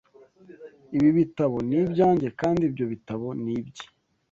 Ibi bitabo ni ibyanjye kandi ibyo bitabo ni ibye.